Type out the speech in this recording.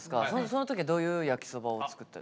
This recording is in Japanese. その時はどういう焼きそばを作られた。